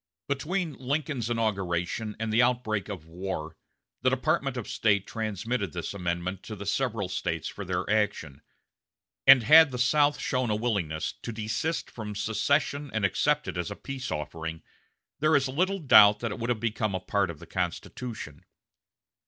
Between Lincoln's inauguration and the outbreak of war, the Department of State transmitted this amendment to the several States for their action; and had the South shown a willingness to desist from secession and accept it as a peace offering, there is little doubt that it would have become a part of the Constitution.